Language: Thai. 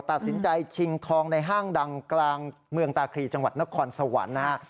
ตัดสินใจชิงทองในห้างดังกลางเมืองตาครีจังหวัดนครสวรรค์นะฮะ